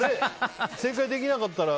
正解できなかったら。